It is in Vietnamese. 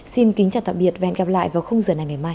xin kính chào tạm biệt và hẹn gặp lại vào khung giờ này ngày mai